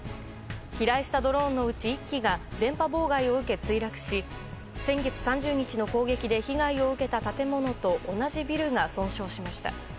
飛来したドローンのうち１機が電波妨害を受け、墜落し先月３０日の攻撃で被害を受けた建物と同じビルが損傷しました。